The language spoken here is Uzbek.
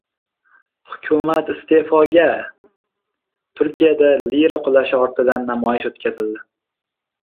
“Hukumat — iste’foga!” Turkiyada lira “qulashi” ortidan namoyish o‘tkazildi